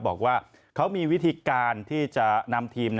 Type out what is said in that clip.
บอกว่าเขามีวิธีการที่จะนำทีม